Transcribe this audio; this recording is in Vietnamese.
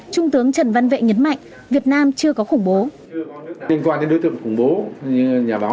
trung tướng trần văn vệ nhấn mạnh việt nam chưa có khủng bố